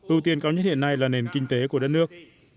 ưu tiên cao nhất hiện nay là nền kinh tế của đất nước